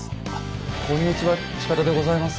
こんにちは近田でございます。